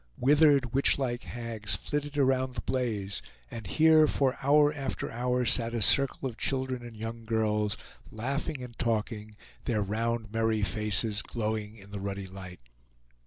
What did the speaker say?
Withered witchlike hags flitted around the blaze, and here for hour after hour sat a circle of children and young girls, laughing and talking, their round merry faces glowing in the ruddy light.